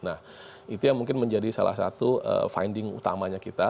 nah itu yang mungkin menjadi salah satu finding utamanya kita